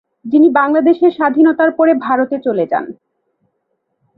যিনি বাংলাদেশের স্বাধীনতার পরে ভারতে চলে যান।